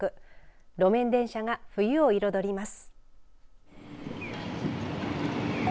路面電車が冬を彩ります。